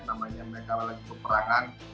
namanya mereka lagi ke perangan